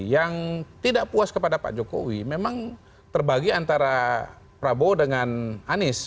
yang tidak puas kepada pak jokowi memang terbagi antara prabowo dengan anies